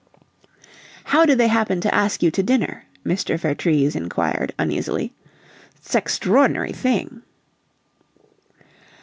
"How did they happen to ask you to dinner?" Mr. Vertrees inquired, uneasily. "'Stextrawdn'ry thing!"